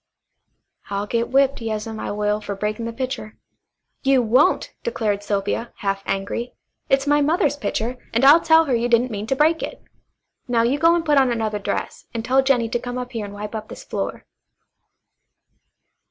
"I'll get whipped, yas'm, I will, fer breaking the pitcher." "You won't!" declared Sylvia, half angrily. "It's my mother's pitcher, and I'll tell her you didn't mean to break it. Now you go and put on another dress, and tell Jennie to come up here and wipe up this floor."